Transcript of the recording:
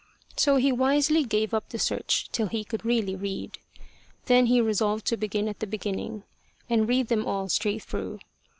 So he wisely gave up the search till he could really read. Then he resolved to begin at the beginning, and read them all straight through.